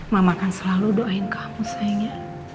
mama akan selalu doain kamu sayangnya